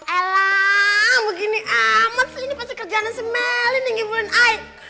elah begini amat sih ini pasti kerjaan si melly nih ngibun air